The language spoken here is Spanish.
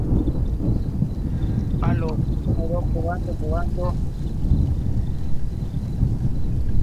El crecimiento urbanístico de Gerona complicaba la gestión diaria de la fábrica.